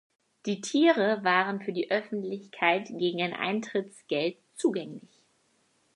Die Tiere waren für die Öffentlichkeit gegen ein Eintrittsgeld zugänglich.